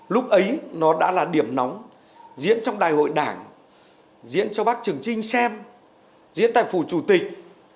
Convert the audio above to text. lúc ấy nó đã là điểm nóng diễn trong đại hội đảng diễn cho bác trường trinh xem diễn tại phủ chủ tịch